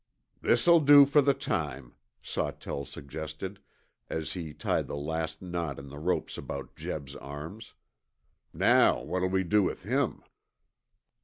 "This'll do for the time," Sawtell suggested, as he tied the last knot in the ropes about Jeb's arms. "Now what'll we do with him?"